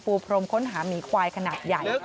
พรมค้นหาหมีควายขนาดใหญ่